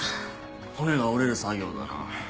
骨が折れる作業だな。